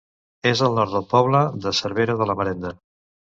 És al nord del poble de Cervera de la Marenda.